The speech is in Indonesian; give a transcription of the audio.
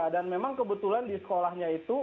dan memang kebetulan di sekolahnya itu